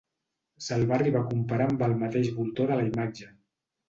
Se'l va arribar a comparar amb el mateix voltor de la imatge.